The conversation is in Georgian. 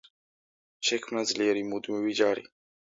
შექმნა ძლიერი მუდმივი ჯარი.